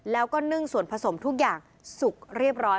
แล้วก็นึ่งส่วนผสมทุกอย่างสุกเรียบร้อย